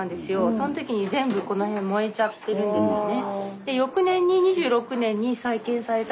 その時に全部この辺燃えちゃってるんですね。